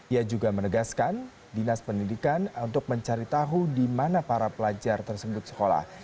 ia juga menegaskan dinas pendidikan untuk mencari tahu di mana para pelajar tersebut sekolah